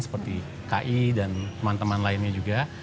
seperti ki dan teman teman lainnya juga